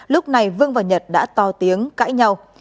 lúc này vương và nhật đã to tiếng cãi nhau